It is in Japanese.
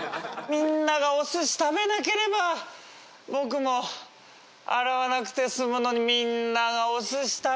みんながおすし食べなければ僕も洗わなくて済むのにみんながおすし食べるから。